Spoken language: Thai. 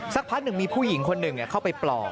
สักพักหนึ่งมีผู้หญิงคนหนึ่งเข้าไปปลอบ